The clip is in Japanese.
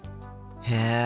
へえ。